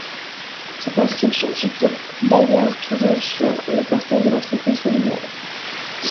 Cette inscription figure d'ailleurs toujours sur le portail de l'entreprise familiale.